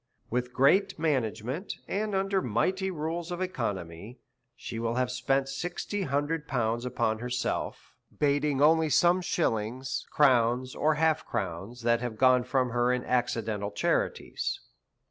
With great management and under mighty rules of economy, she will have spent sixty hundred pounds upon herself, bating only some shillings, crowns, or half crowns, that have gone from her in accidental charities.